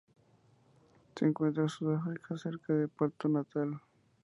Se encuentra en Sudáfrica cerca de Puerto Natal.